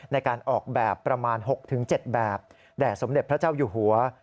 ในการออกแบบประมาณ๖๗แบบแด่สมเด็จพระเจ้าอยู่หัว